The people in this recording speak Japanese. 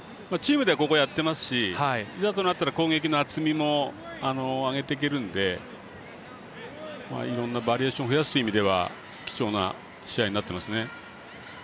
チームでは、ここやってますしいざとなったら攻撃の厚みも上げていけるのでいろんなバリエーションを増やすという意味では貴重な試合になっていますね。